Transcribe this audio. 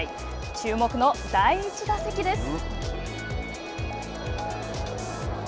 注目の第１打席です。